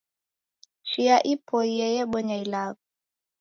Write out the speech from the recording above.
Chia ipoiye yebonya ilagho